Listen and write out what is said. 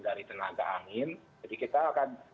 dari tenaga angin jadi kita akan